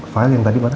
file yang tadi mana